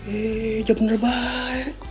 eh ya bener baik